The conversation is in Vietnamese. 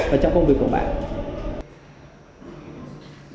và trong công việc của bạn